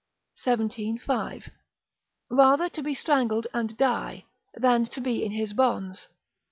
xvii. 5. Rather to be strangled and die, than to be in his bonds.